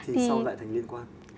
thì sau lại thành liên quan